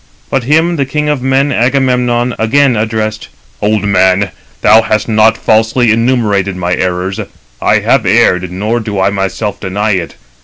But him the king of men, Agamemnon, again addressed: "Old man, thou hast not falsely enumerated my errors. I have erred, nor do I myself deny it.